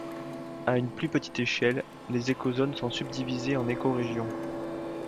À une plus petite échelle, les écozones sont subdivisées en écorégions.